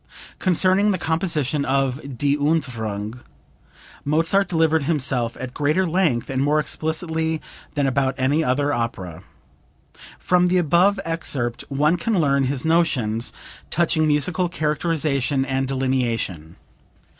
Concerning the composition of "Die Entfuhrung," Mozart delivered himself at greater length and more explicitly than about any other opera. From the above excerpt one can learn his notions touching musical characterization and delineation.